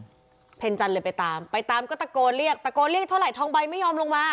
เพ็ญจันทร์เลยไปตามไปตามก็ตะโกนเรียกตะโกนเรียกเท่าไหทองใบไม่ยอมลงมา